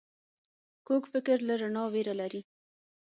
کوږ فکر له رڼا ویره لري